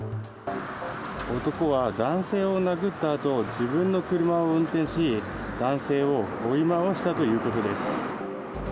男は男性を殴ったあと、自分の車を運転し、男性を追い回したということです。